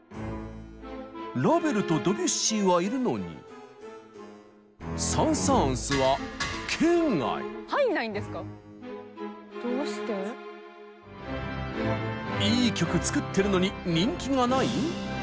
ラヴェルとドビュッシーはいるのにサン・サーンスはいい曲作ってるのに人気がない？